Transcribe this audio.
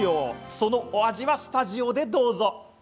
そのお味はスタジオでどうぞ！